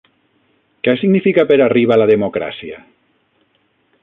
Què significa per a Riba la democràcia?